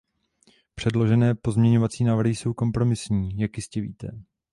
Předložené pozměňovací návrhy jsou kompromisní, jak jistě víte.